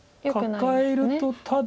カカえるとただ。